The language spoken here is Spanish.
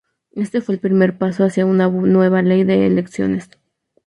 Este fue el primer paso hacia una nueva ley de elecciones.